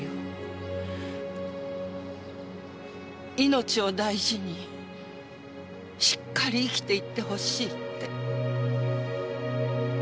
命を大事にしっかり生きていってほしいって。